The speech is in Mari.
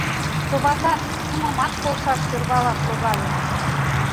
Товатат! — юмымат полшаш сӧрвалаш логале.